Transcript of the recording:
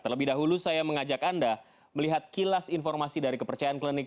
terlebih dahulu saya mengajak anda melihat kilas informasi dari kepercayaan klinik